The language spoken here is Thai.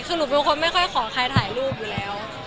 คือหนูเป็นคนไม่ค่อยขอใครถ่ายรูปอยู่แล้ว